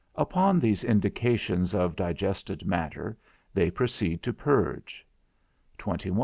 Upon these indications of digested matter, they proceed to purge 131 21.